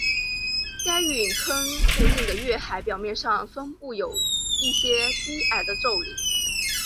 该陨坑附近的月海表面上分布有一些低矮的皱岭。